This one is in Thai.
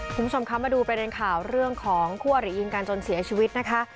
คุณผู้ชมคะมาดูประเด็นข่าวเรื่องของคู่อริยิงกันจนเสียชีวิตนะคะ